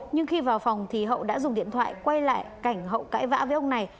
nhưng khi vào phòng thì hậu đã dùng điện thoại quay lại cảnh hậu cãi vã với ông này